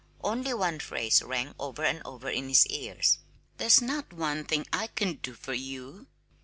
Only one phrase rang over and over in his ears, "There's not one thing I can do for you!"